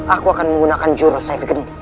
aku akan menggunakan jurus saya pikir